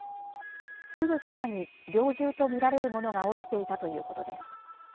すぐそばに、猟銃と見られるものが落ちていたということです。